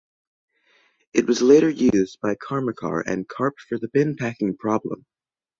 It was later used by Karmarkar and Karp for the bin packing problem.